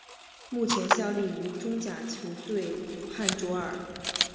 目前效力于中甲球队武汉卓尔。